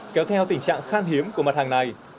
kéo theo tình trạng khan hiếm của mặt hàng này